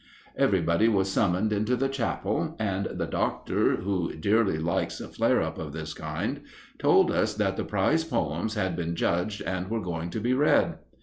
Everybody was summoned into the chapel, and the Doctor, who dearly likes a flare up of this kind, told us that the prize poems had been judged and were going to be read.